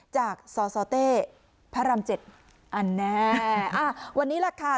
จากสสเต้พระรามเจ็ดอันแน่อ่าวันนี้แหละค่ะ